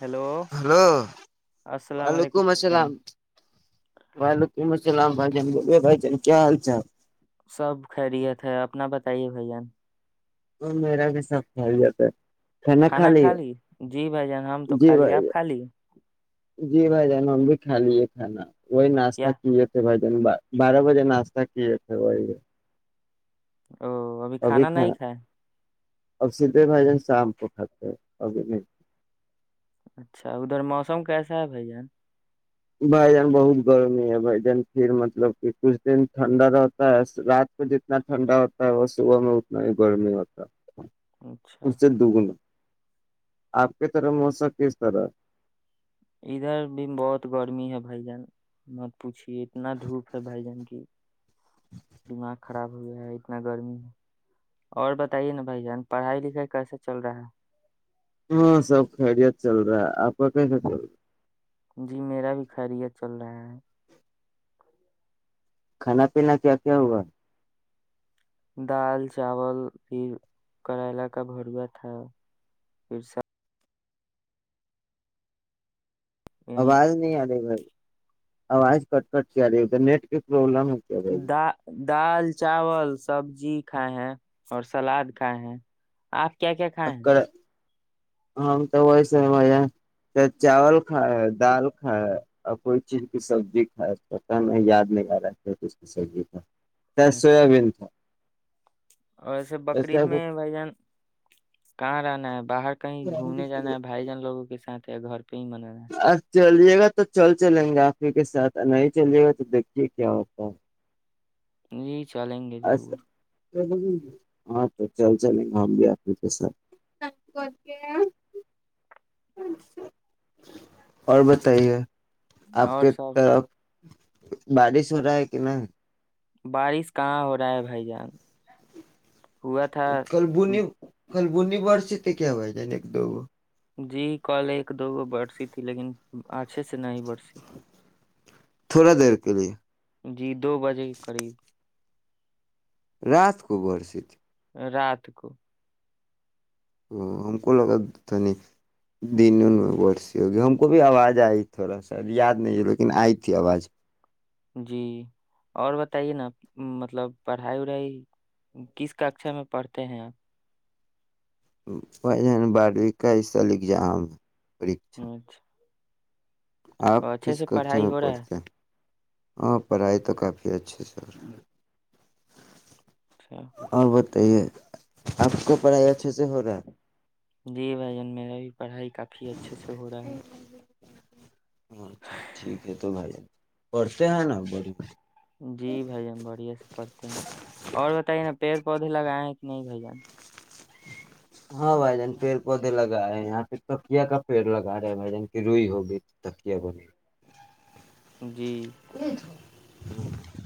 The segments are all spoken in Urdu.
ہیلو ہیلو السلام علیکم وعلیکم بھائی جان السلام وعیکم سلام بھائی جان بولے بائی جان کیا حال چال سب خیریت ہے اپنا صیح ہو بھائی جان وہ میرا بھی سب خیریت ہے کھانا کھا لیے جی بھائی جان ہم تو جی کہا لیے بھائی آپ کہا لیے جی بھائی جان ہم بھی کھا لیے کھانا وہئی ناشتہ کیا کیے تھے بھائی جان بارہ بجے ناستا کیے تھ وہ او ابھی کھانا نہیں کھائے اب سیدھے بھائی جان شام کو کھاتے ابھی نہیں اچھا ادھر موسم کیسا ہے بھائی جان بھائی جان بہت گرمی ہے بھائی جان پھر مطلب کہ کچھ دن ٹھنڈا رہتا ہے رات کو جتنا ٹھنڈا ہوتا ہے وہ صبح میں اتنا ہی گرمی ہوتا ہے اچھا اس سے دوگنی آپ کی طرف موسم کیس طرح ادھر بھی بہت گرمی ہے بھائی جان مت پوچھیے اتنا دھوپ ہے بھائی جان کی دماغ خراب ہویا ہے اتنا گرمی ہے اور بتائیے نا بھائی جان پڑھائی لکھائی کیسے چل رہا ہے ہاں سب خیریت چل رہا ہے آپ کا کیسا چل رہا جی میرا بھی خیریت چل رہا ہے کھانا پینا کیا کیا ہوا دال چاول بھی کریلا کا بھروا تھا پھر یہیں آواز نہیں آ رہی بھائی آوج کٹ کٹ کے آرہی ادر نیٹ کی پربلم ہے کیا [inaudible] دال چاول سبزی کھائے ہیں اور سلاد کھائے ہیں آپ کیا کیا کھائے ہیں بھائی ہم تو ویسے بھائی جان چاول کھایا دال کھایا اور کوئی چیز کی سبزی کھائے پتہ نہی یاد نہیں آ رہا کس کی سبزی کا شاید اچھا سویابین تھا اور ایسے بقرریید میں بھائی جان کہاں رہنا ہے باہر کہیں گھومنے جانا ہے بھائی جان لووں کے س گھر [unintelligible] پ من ہے [unintelligible] آج چلیے گا تو چل چلیں گے آپ ہی کے ساتھ نہیں چلیے گا تو دیکھیے کیا ہوتا ہے جی چلیں گے ضرور ہاں تو چل چلیں گھ ہم گ آ کے ساتھ اور بتائیے [inaudible] آپ اور کے سب طرف بارش ہو رہا ہے کہ نہیں بارش کہاں ہو رہا ہے بھائی جان ہوا تھا کل بی بڑ سے تو کیا ہو جائے نا ایک دو جی کل ایک دو گ برسی تھی لیکن اچھے سے نہیں برسی تھوڑا دیر کے لیے جی دو بجے کے قریب رات کو بورست رات کو ا ہم کو لگانی دن میں ورسی ہو گی ہم کو بھی آواز آئی تھوڑا سا یاد نہیں لیکن آئی تھی آواز جی اور بتائیے نا مطلب پڑھائی وڑھائی کس ککشا میں پڑھتے ہیں آپ وہ جن بارو کاسلگزام [unintelligible] اچھا آپ اور اچھے کس سے ککشا پڑھائی میں ہو رہا ہے پڑھتے؟ ہاں پڑھائی تو کافی اچھی سے اور اچھا آ بت [unintelligible] تو یہ آپ کو پڑھائی اچھے سے ہو رہا ہے جی بھائی جان میرا بھی پڑھائی کافی اچھے سے ہو رہا ہے اچھا ٹھیک ہے تو بائی ج پڑھتے ہیں نا بری [unintelligible] جی بھائی جان بڑھیا سے پڑتے ہیں اور بتائیے نا پیڑ پودے بھی لگائے ہیں کہ نہیں بھ جان ہاں بھائی جان پیڑ پودے لگاے ہیں یہاں پہ تکیا کا پیڑ لگا رہے ہیں بھائی جان کی روئی ہوگئی تکیا ب نہیں جی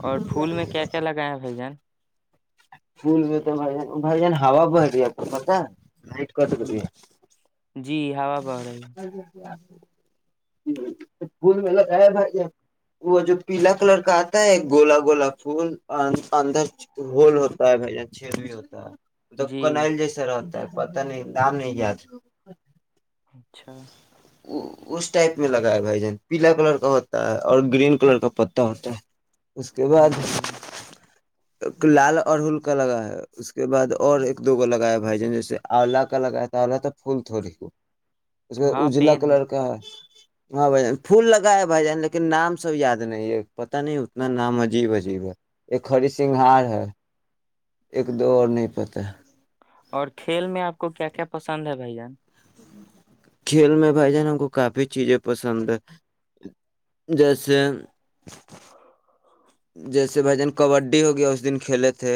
اور پھول میں کیا کیا لگائیں بھائی جان پول ہو تو بھ جان بھائی جان ہا بہی ہے کو پتا نٹ کٹ کرے تھاھوا پڑ رہای پھول میں لگا ہے بھائی وہ جو پیلا کلر کا آتا ہے گولا گولا پھول اور اندر ہول ہوتا ہے بھائی چڑو ہوتا ہے توب کناائل جی سرا پتہ نہیں دام نہیں گیا تھا اچھا [inaudible] اس ٹائپ میں لگایا بھائی جان پیلا کلر کا ہوتا ہے اور گرین کلر کا پتا ہوتا ہے اس کے بعد جی ایک لال اڑہل کا لگا ہے اس کے بعد اور ایک دو لگایا بھائی جان جیسے آولا کا لگایا تو آولہ تو پھول تھوڑی ہو ہاں [inaudible] جلا کلر کا ہے ہاں بھ جان پھول لگا بھائی جان لیکن نام سب یاد نہیں ہے پت نہیں اتنا نام عجیب عجیب ہے [inaudible] ایک ہری سنگھار ہے [inaudible] ایک دو اور نہیں پتہ [inaudible] اور کھیل میں آپ کو کیا کیا پسند ہے بھائی جان [inaudible] کھیل میں بھائی جان ہم کو کافی چیزیں پسند ہے جیسے [inaudible] جیسے بھ جان کبڈی ہو گیا اس دن کھیلے تھے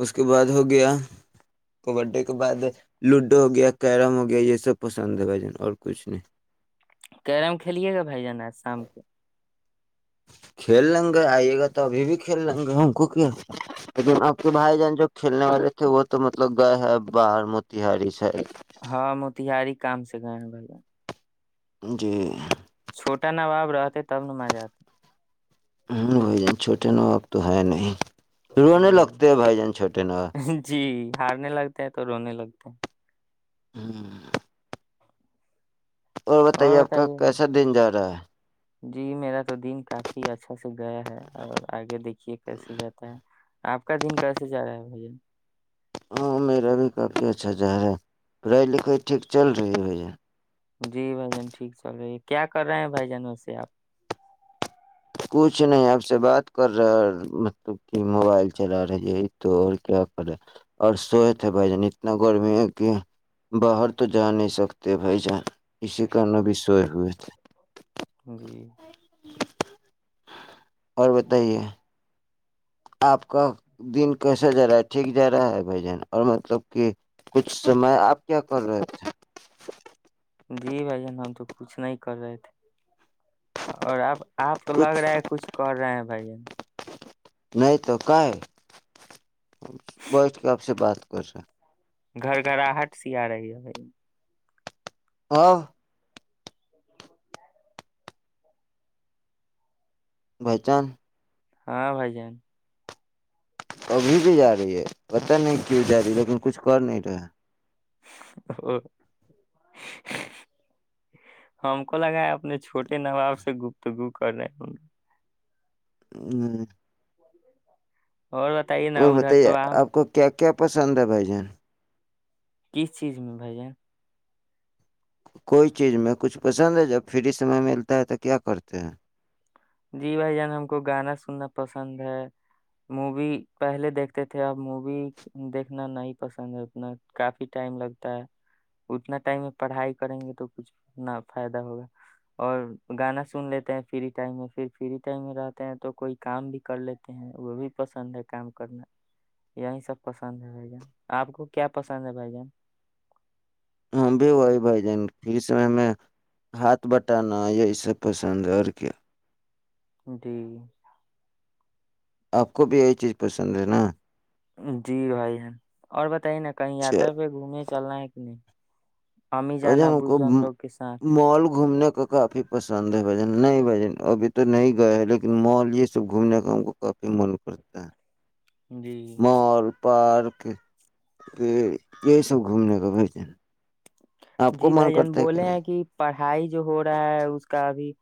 اس کے بعد ہو گیا کبڈی کے بعد لوڈو ہو گیا کیرم ہو گیا یہ سب پسند ہے بھائی جان اور کچھ نہیں [inaudible] کیرم کھیلیے گا بھائی جان آج شام کو کھیل لیں گے آئیے گا تو ابھی بھی کھیل لیں گے ہم کوک لیکن آپ کے بھائی جان جو کھیلنے والے تھے وہ تو مطلب گئے ہیں باہر موتیاری سے [inaudible] ہاں موتہاری کام سے گئے ہیں بھائی [inaudible] جی [inaudible] چھوٹا باب رہتے تب مزہ آتے [inaudible] بھائی جان چھوٹے وب تو ہے نہیں [inaudible] رونے جی لگتے ہیں بھائی جان چھوٹے نواب جی ہارنے لگتا ہے [inaudible] [inaudible] ہوں [inaudible] اور بتائیے آپ کا کیسا دن جا رہا ہے [inaudible] جی میرا تو دن کافی اچھا سے گیا ہے اور آگے دیکھیے کیسے جاتا ہے [inaudible] آپ کا دن کیسے رہا ہے بھائیجن [inaudible] ہاں میرا بھی کافی اچھا چہرا ہے پڑھائی لکھائی ٹھیک چل رہی ہے بھیا [inaudible] جی بھ جان ٹھیک چل رہی ہے کیا کر رہے ہیں بھائی جان وے آپ کچھ نہیں آپ سے بات کر رہا مطلب کہ موبائل چلا رہے یہی تو اور کیا کر رہے اور سوئے تھے بھائی جان اتنا گرمی ہے کہ باہر تو جا نہیں سکتے بھائی جان اسی کن ا بھی سوئے ہوئے تھے بھی [inaudible] اور بتائیے [inaudible] آپ کا دن کیسا جا رہا ہے ٹھیک جا رہا ہے بھ جان اور مطلب کہ کچھ سمے آپ کیا کر رہے تھے [inaudible] جی بھائی جان ہم تو کچھ نہیں کر رہے تھے [inaudible] اور اب آپ کو لگ رہا ہے کچھ کر رہے ہیں [inaudible] بھائی [inaudible] نہیں تو کا ہے بیھ کے آپ سے بات کر رہے [inaudible] گھر گراہٹ سی آ رہی ہے بھائی [inaudible] [inaudible] پہچان [inaudible] ہاں بھائی جان [inaudible] ابھی بھی جا رہی ہے پتا نہیں کیوں جا رہی لیکن کچھ کر نہیں رہے [inaudible] ہم کو لگا ہے اپنے چھوٹے نواب سے گپتگو کر رہے [inaudible] اور بتائیے نا اور ادھر تو بتائیے آم [inaudible] آپ کو کیا کیا پسند ہے بھائی جان کس چیز میں بھن کوئی چیز میں کچھ پسند ہے جب فری سمے ملتا ہے تو کیا کرتے ہیں جی بھائی جان ہم کو گانا سننا پسند ہے مووی پہلے دیکھتے تھے اب مووی دیکھنا نہیں پسند ہے اتنا کافی ٹائم لگتا ہے اتنا ٹائم میں پڑھائی کریں گے تو کچھنا فائدہ ہوگا اور گانا سن لیتے ہیں فری ٹائم میں پھر فری ٹائم میں رہتے ہیں تو کوئی کام بھی کر لیتے ہیں وہ بھی پسند ہے کام کرنا یہی سب پسند ہے بھائی جان آپ کو کیا پسند ہے بھائی جان ہم بھی وہی بھائی جان پھر س ہمیں ہاتھ بٹانا یہی سب پسند ہے اور کیا ڈی آپ کو بھی یہی چیز پسند ہے نا جی بھائی ہیں اور بت ہی نا کہیں اچھا یاتا پہ گھومنے چلنا ہے کہ نہیں امی جان اجن ابو کو جان لوگ کے ساتھ مال گھومنے کا کافی پسند ہے بج نہیں بھائی ج ابھی تو نہیں گئے ہیں لیکن مال یہ سب گھومنے کا ہم کو کافی من کرتا ہے جی [inaudible] مال پارک یہی سب گھومنے کا ہو جی بھائی جان بولے ہیں کہ پڑھائی جو ہو رہا ہے اس کا ابھی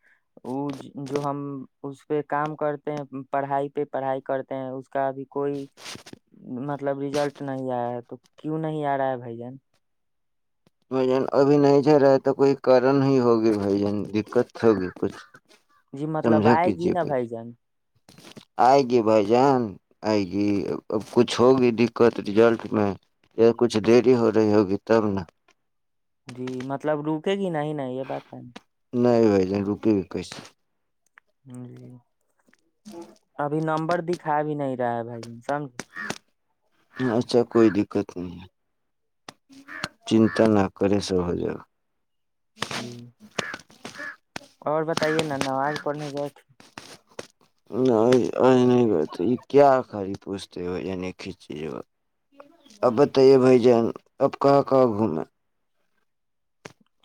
وہ جو ہم اس پہ کام کرتے ہیں پڑھائی پہ پڑھائی کرتے ہیں اس کا ابھی کوئی مطلب ریزلٹ نہیں آیا ہے تو کیوں نہیں آ رہا ہے بھائی جن [inaudible] بھائی جان ابھی نہیں جا رہا ہے تو کوئی کارن ہی ہوگی بھائی جان دقت ہوگی کچھ جی مطلب سمجھا آئے گی کیجیے نا بھائی جان آئے گی بھائی جان آئے گی اب کچھ ہوگی دقت رزلٹ میں یا کچھ دری ہو رہی ہوگی تب نا جی مطلب روکے گی نہیں ہی نہیں یہ بات ہے ن نہیں ج رکی بھی کوئیس [inaudible] ج جی [inaudible] ابھی نمبر [inaudible] دکھا بھی نہیں رہا ہے بھائی ج سمجھ [inaudible] اچھا کوئی دقت نہیں ہے چنتا نہ کرے سرو ہو جا جی [inaudible] اور بتائیے نا نماز پڑھنے گئے تھے نہیں یہ کیا آ خر پوچھتے بھ ج ایک ہی چیز ب اب بتائیے بھائی جن اب کہاں کہاں گھوم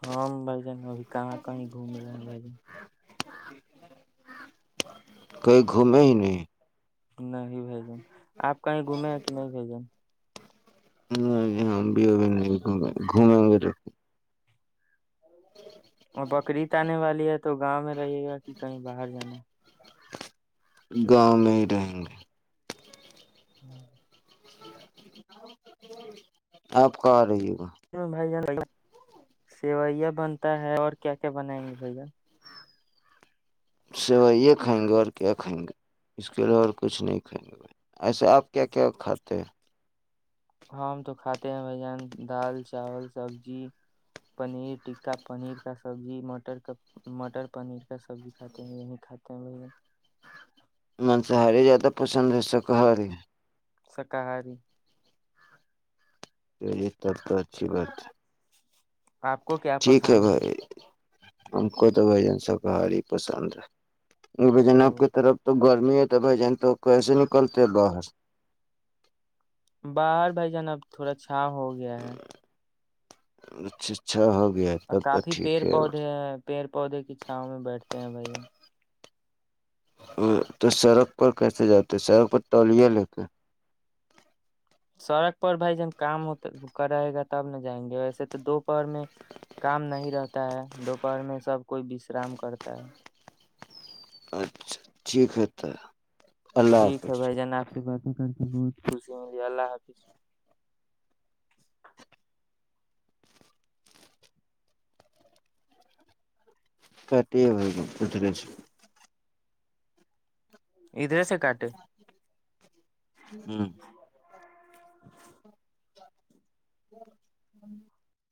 ہم بھ جان ابھی کہاں کہیں گھوم رہے ہیں بھائی جن کہئی گھومے ہی نہیں [inaudible] نہیں ہی بائی جن آپ کہیں گھومے ہیں کہ نہیں بھیجیں نہیں بھی نہیں گھومیں گ ر اور بقرعید آنے والی ہے تو گاؤں میں رہے گا کہ کہیں باہر جانا گاؤں میں ہی رہیں گے ہاں آپ کہاں رہی ہو ہ بھائی جان سیوئیا بنتا ہے اور کیا کیا بنائیں گے بھیا سوائے یہ کھائیں گے اور کیا کھائیں گے اس کے علاوہ اور کچھ نہیں کھائیں گے ایسا آپ کیا کیا کھاتے ہیں ہم تو کھاتے ہیں بھ جان دال چاول سبزی پنیر ٹکا پنیر کا سبزی مٹر کا مٹر پنیر کا سبزی کھاتے ہیں یہی کھاتے ہیں بھ جان مانصاہاری زیادہ پسند ہے شاکاہاری شاکاہاری جی تب تو اچھی بات ہے آپ کو کیا ٹھیک ہے پسند بھائی ان کو تو بھجن شاکاہاریی پسند ہے یہ ب جناب ہو کی طرف تو گ نہیں ہے تو بھائی جنتوں کیسے نکلتے باہر باہر بھائی جان اب تھوڑا چھاں ہو گیا ہے اچھا اچھا گیا اور تب تو کافی پیڑ ٹھیک ہے پودے ہیں پیڑ پودے کی چھاؤ میں بیٹھتے ہیں بھائی تو سڑک پر کیسے جاتے سڑک پر تولیہ لے کے سڑک پر بھائی جب کام ہو کر رہے گا تب نہ جائیں گے ویسے تو دوپہر میں کام نہیں رہتا ہے دوپہر میں سب کوئی وشرام کرتا ہے اچھا ٹھیک ہے تو اللہ ٹھیک ہے حافظ بھائی جان آپ کی بات کر کے بہت خوشی ملی اللہ حافظ پٹ ہو گ اٹھیک ادھر سے کاٹ ہوں [inaudible] [inaudible]